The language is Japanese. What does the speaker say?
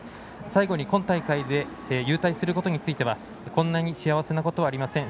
最後に今大会で勇退することについてこんな幸せなことはありません